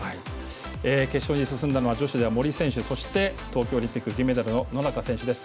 決勝に進んだのは女子で森選手そして、東京オリンピック銀メダルの野中選手です。